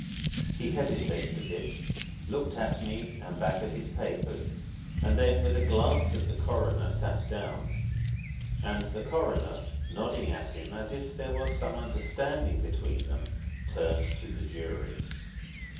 He hesitated a bit, looked at me and back at his papers, and then, with a glance at the coroner, sat down. And the coroner, nodding at him as if there was some understanding between them, turned to the jury.